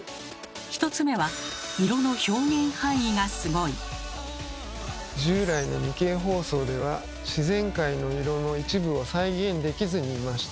１つ目は従来の２Ｋ放送では自然界の色の一部を再現できずにいました。